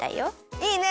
いいね！